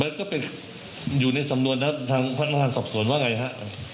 มันก็เป็นอยู่ในสำนวนนะครับทางพันธุ์พันธุ์ส่อมส่วนว่าไงฮะ